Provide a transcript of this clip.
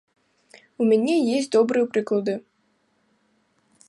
У мяне ёсць добрыя прыклады.